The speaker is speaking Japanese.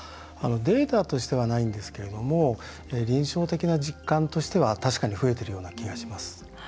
データとしてはないんですけれども臨床的な実感としては確かに増えているような気がします。